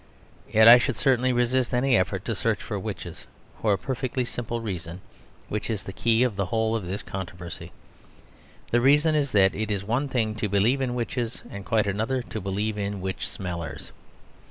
Yet I should certainly resist any effort to search for witches, for a perfectly simple reason, which is the key of the whole of this controversy. The reason is that it is one thing to believe in witches, and quite another to believe in witch smellers.